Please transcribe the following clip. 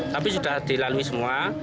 tapi sudah dilalui semua